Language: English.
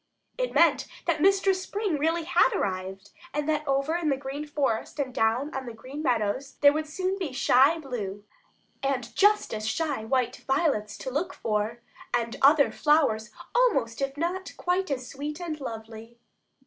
It meant that Mistress Spring really had arrived, and that over in the Green Forest and down on the Green Meadows there would soon be shy blue, and just as shy white violets to look for, and other flowers almost if not quite as sweet and lovely.